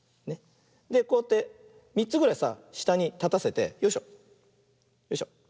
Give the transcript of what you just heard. でこうやって３つぐらいさしたにたたせてよいしょよいしょ。